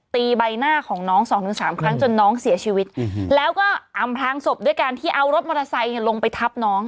ตีใบหน้าของน้องสองถึงสามครั้งจนน้องเสียชีวิตแล้วก็อำพลางศพด้วยการที่เอารถมอเตอร์ไซค์ลงไปทับน้อง